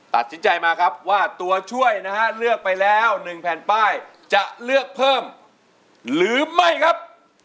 ตัดสินใจมาครับว่าตัวช่วยนะฮะเลือกไปแล้ว๑แผ่นป้ายจะเลือกเพิ่มหรือไม่ครับ